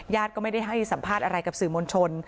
ก็ไม่ได้ให้สัมภาษณ์อะไรกับสื่อมวลชน